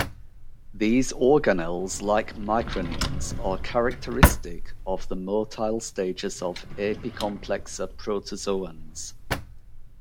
These organelles, like micronemes, are characteristic of the motile stages of Apicomplexa protozoans.